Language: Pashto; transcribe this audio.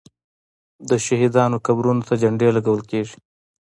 د شهیدانو قبرونو ته جنډې لګول کیږي.